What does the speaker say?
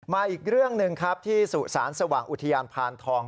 อีกเรื่องหนึ่งครับที่สุสานสว่างอุทยานพานทอง